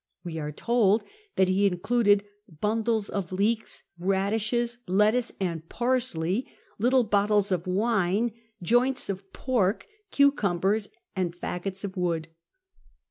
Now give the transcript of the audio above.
We are told that they included bundles of leeks, radishes, lettuce, and parsley, little bottles of wine, joints of pork, cucumbers, and faggots of wood.